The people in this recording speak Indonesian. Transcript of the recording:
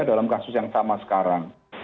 dalam kasus yang sama sekarang